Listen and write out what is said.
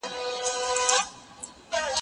زه به اوږده موده چپنه پاک کړې وم،